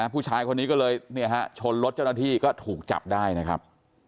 ผู้ชายคนนี้ก็เลยชนรถเจ้าหน้าที่ก็ถูกจับได้นะครับ